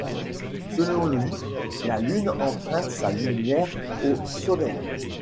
Selon lui, la lune emprunte sa lumière au soleil.